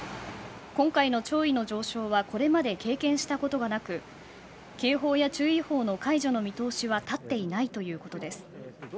今回の潮位の上昇はこれまで経験したことがなく警報や注意報の解除の見通しは立っていないということです。